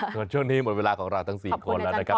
ส่วนช่วงนี้หมดเวลาของเราทั้ง๔คนแล้วนะครับ